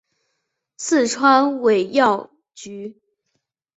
四川尾药菊